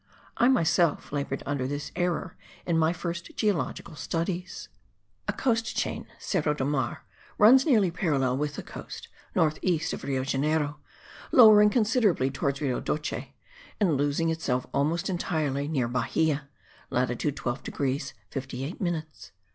I myself laboured under this error in my first geologic studies. A coast chain (Serra do Mar) runs nearly parallel with the coast, north east of Rio Janeiro, lowering considerably towards Rio Doce, and losing itself almost entirely near Bahia (latitude 12 degrees 58 minutes).